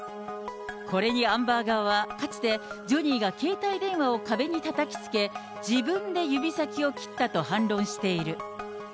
これにアンバー側は、かつて、ジョニーが携帯電話を壁にたたきつけ、自分で指先を切ったと反論している。